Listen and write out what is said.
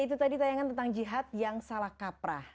itu tadi tayangan tentang jihad yang salah kaprah